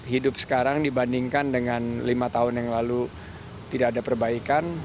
hidup sekarang dibandingkan dengan lima tahun yang lalu tidak ada perbaikan